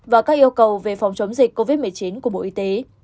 và các yêu cầu về phòng chống dịch covid một mươi chín của bộ y tế